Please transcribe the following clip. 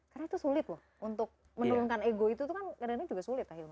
karena itu sulit loh untuk menurunkan ego itu kan kadang kadang juga sulit lah hilman